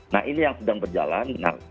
nah ini yang sedang berjalan benar